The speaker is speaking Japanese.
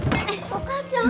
お母ちゃん！